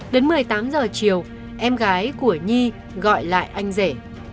đến một mươi tám giờ chiều em gái của nhi gọi lại anh rể